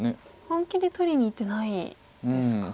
本気で取りにいってないですか。